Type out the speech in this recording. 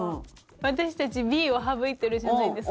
私たちＢを省いてるじゃないですか。